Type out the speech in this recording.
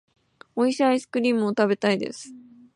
美味しいアイスクリームを食べたいです。